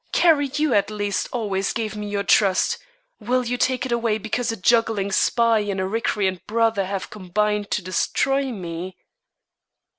Carrie, you at least always gave me your trust, will you take it away because a juggling spy and a recreant brother have combined to destroy me?"